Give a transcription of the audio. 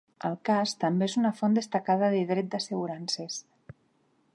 El cas també és una font destacada de dret d'assegurances.